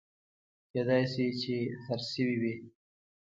کېدای شي چې خرڅ شوي وي